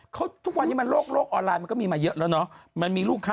เขาทุกวันนี้มันโลกโลกออนไลน์มันก็มีมาเยอะแล้วเนอะมันมีลูกค้า